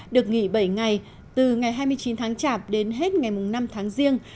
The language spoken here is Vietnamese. được nghỉ bảy ngày từ ngày hai mươi chín tháng chạp đến hết ngày năm tháng riêng